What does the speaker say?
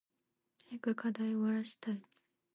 早く課題終わらしたい。